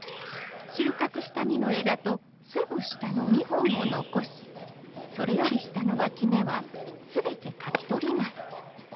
収穫した実の枝とすぐ下の２本を残しそれより下のわき芽はすべてかき取ります。